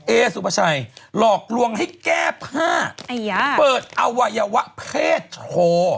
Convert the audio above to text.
เอสุภาชัยหลอกลวงให้แก้ผ้าเปิดอวัยวะเพศโชว์